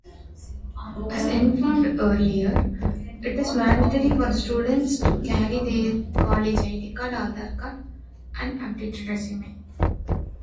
The lakes have excellent fishing for perch, walleye, pike and trout.